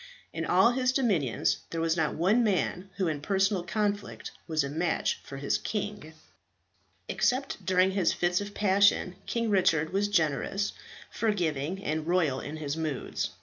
In all his dominions there was not one man who in personal conflict was a match for his king. Except during his fits of passion, King Richard was generous, forgiving, and royal in his moods.